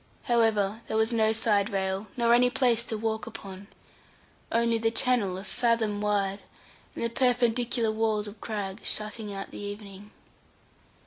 However, there was no side rail, nor any place to walk upon, only the channel a fathom wide, and the perpendicular walls of crag shutting out the evening.